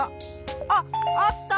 あっあった！